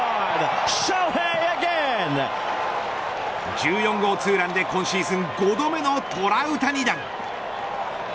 １４号ツーランで、今シーズン５度目のトラウタニ弾。